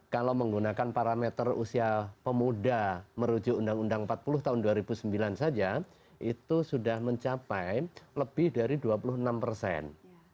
kalau menggunakan parameter usia pemuda merujuk undang undang empat puluh tahun dua ribu sembilan saja itu sudah mencapai lebih dari dua puluh enam persen